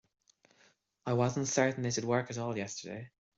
I wasn't certain it'd work at all yesterday.